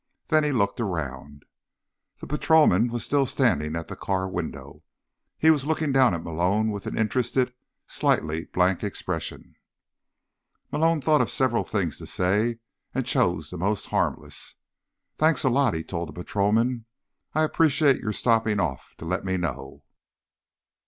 Then he looked around. The patrolman was still standing at the car window. He was looking down at Malone with an interested, slightly blank expression. Malone thought of several things to say, and chose the most harmless. "Thanks a lot," he told the patrolman. "I appreciate your stopping off to let me know."